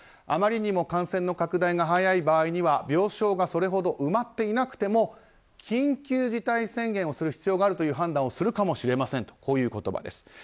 あまりにも感染の拡大が早い場合には病床がそれほど埋まっていなくても緊急事態宣言をする必要があるという判断をするかもしれませんという言葉です。